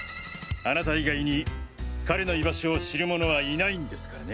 あなた以外に彼の居場所を知る者はいないんですからね。